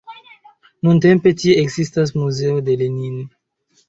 Nuntempe tie ekzistas muzeo de Lenin.